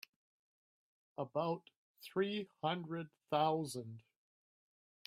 About three hundred thousand.